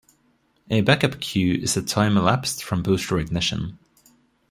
A backup cue is the time elapsed from booster ignition.